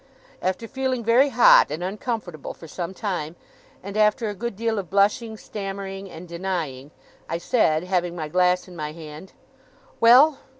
After feeling very hot and uncomfortable for some time, and after a good deal of blushing, stammering, and denying, I said, having my glass in my hand, 'Well!